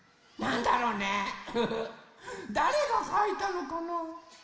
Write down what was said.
だれがかいたのかな？